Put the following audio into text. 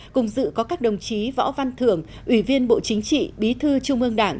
cùng dự có các đồng chí võ văn thưởng ủy viên bộ chính trị bí thư trung ương đảng